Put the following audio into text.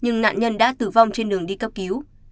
nhưng nạn nhân đã tử vong trên đường đi cấp cứu